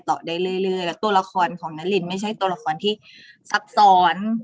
ได้เรื่อยแล้วตัวละครของนารินไม่ใช่ตัวละครที่ซับซ้อน